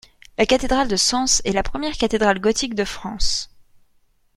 La cathédrale de Sens est la première cathédrale gothique de France.